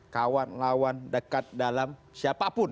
kawan lawan dekat dalam siapapun